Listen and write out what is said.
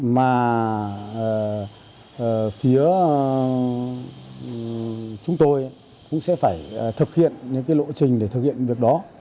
mà phía chúng tôi cũng sẽ phải thực hiện những cái lộ trình để thực hiện việc đó